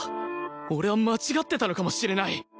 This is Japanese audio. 俺は間違ってたのかもしれない